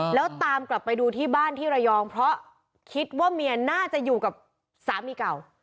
แล้วตามกลับไปดูที่บ้านที่ระยองเพราะคิดว่าเมียน่าจะอยู่กับสามีเก่า